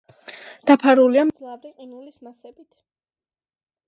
დაფარულია მძლავრი ყინულის მასებით.